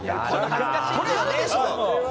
これあるでしょ。